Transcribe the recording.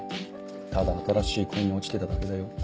ただ新しい恋に落ちてただけだよ。